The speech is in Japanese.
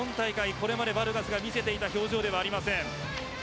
これまでバルガスが見せていた表情ではありません。